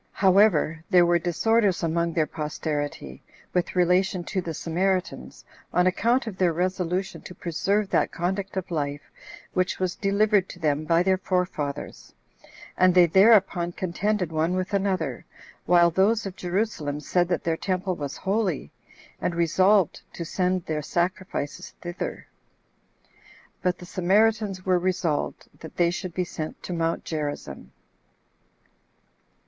However, there were disorders among their posterity, with relation to the Samaritans, on account of their resolution to preserve that conduct of life which was delivered to them by their forefathers, and they thereupon contended one with another, while those of Jerusalem said that their temple was holy, and resolved to send their sacrifices thither; but the Samaritans were resolved that they should be sent to Mount Gerizzim.